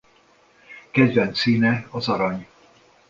Kedvenc színe az arany.